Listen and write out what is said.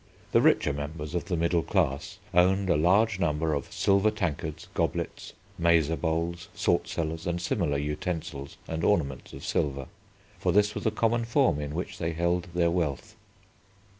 The richer members of the middle class owned a large number of silver tankards, goblets, mazer bowls, salt cellars and similar utensils and ornaments of silver, for this was a common form in which they held their wealth.